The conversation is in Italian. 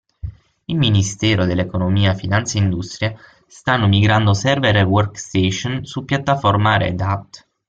Il Ministero dell'Economia, Finanza e Industria, stanno migrando server e workstation su piattaforma Red Hat.